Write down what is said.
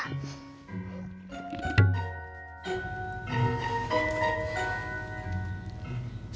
suami seyado masih nganggur